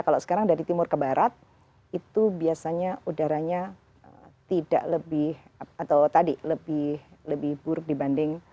kalau sekarang dari timur ke barat itu biasanya udaranya tidak lebih atau tadi lebih buruk dibanding